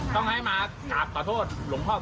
ต้องให้มาขอโทษหลวงพ่อสวทร